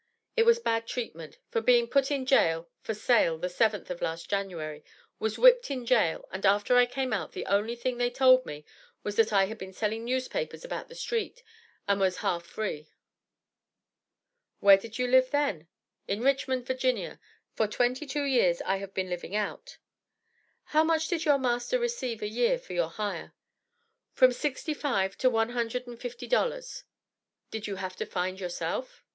"It was bad treatment; for being put in jail for sale the 7th of last January; was whipped in jail and after I came out the only thing they told me was that I had been selling newspapers about the streets, and was half free." "Where did you live then?" "In Richmond, Va.; for twenty two years I have been living out." "How much did your master receive a year for your hire?" "From sixty five to one hundred and fifty dollars." "Did you have to find yourself?"